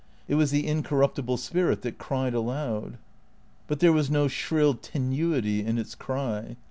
It was the incorruptible spirit that cried aloud ; but there was no shrill tenuity in its cry.